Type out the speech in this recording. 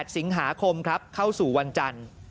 สิงหาคมครับเข้าสู่วันจันทร์